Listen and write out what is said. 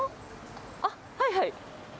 あっ、はいはい。